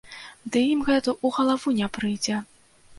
Ды ім гэта ў галаву не прыйдзе!